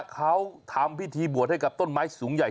เขาทำพิธีบวชให้กับต้นไม้สูงใหญ่